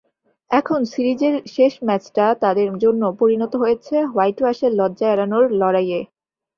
এখন সিরিজের শেষ ম্যাচটা তাদের জন্য পরিণত হয়েছে হোয়াইটওয়াশের লজ্জা এড়ানোর লড়াইয়ে।